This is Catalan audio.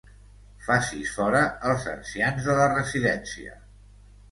Facis fora els ancians de la residència.